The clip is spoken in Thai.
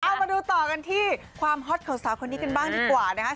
เอามาดูต่อกันที่ความฮอตของสาวคนนี้กันบ้างดีกว่านะครับ